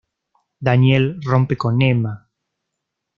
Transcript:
Daniel rompe con Emma.